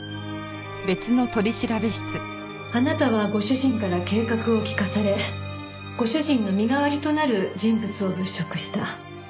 あなたはご主人から計画を聞かされご主人の身代わりとなる人物を物色した。